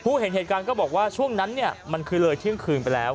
เห็นเหตุการณ์ก็บอกว่าช่วงนั้นเนี่ยมันคือเลยเที่ยงคืนไปแล้ว